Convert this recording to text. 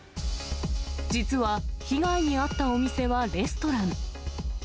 実は、被害に遭ったお店はレストラン。